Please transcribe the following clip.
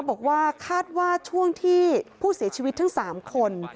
บอกว่าคาดว่าช่วงที่ผู้เสียชีวิตทั้ง๓คน